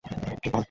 হেই, পল।